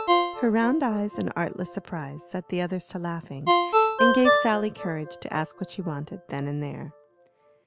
Her round eyes and artless surprise set the others to laughing, and gave Sally courage to ask what she wanted, then and there.